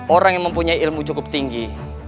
orang yang mempunyai ilmu cukup tinggi